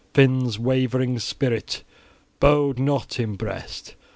{17a} Finn's wavering spirit bode not in breast.